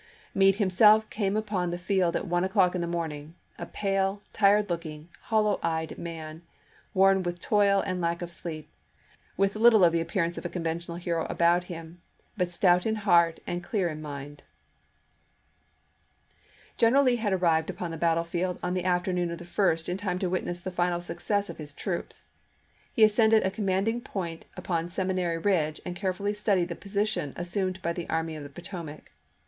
Meade himself came upon the juiy 2, 1863. field at one o'clock in the morning, a pale, tired looking, hollow eyed man, worn with toil and lack of sleep, with little of the appearance of a con ventional hero about him, but stout in heart and clear in mind. General Lee had arrived upon the battlefield on the afternoon of the 1st in time to witness the final success of his troops. He ascended a commanding point upon Seminary Ridge and carefully studied the position assumed by the Army of the Potomac.